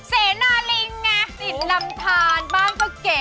เสนาลิงไงสินลำทานบ้างก็เก๋